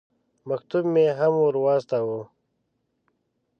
مکتوب مې هم ور واستاوه.